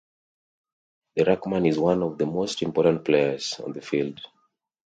The ruckman is one of the most important players on the field.